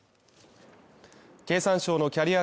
経産省のキャリア